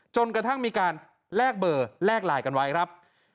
จนกระทั่งมีการแลกเบอร์แลกไลน์กันไว้ครับ